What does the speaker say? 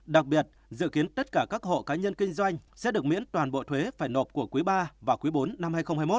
đặc biệt dự kiến tất cả các hộ cá nhân kinh doanh sẽ được miễn toàn bộ thuế phải nộp của quý ba và quý bốn năm hai nghìn hai mươi một